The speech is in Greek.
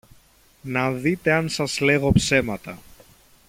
να δείτε αν σας λέγω ψέματα.